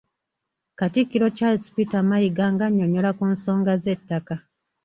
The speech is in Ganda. Katikkiro Charles Peter Mayiga nga annyonnyola ku nsonga z'ettaka.